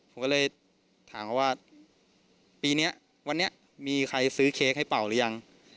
ผมก็เลยถามเขาว่าปีนี้วันนี้มีใครซื้อเค้กให้เป่าหรือยัง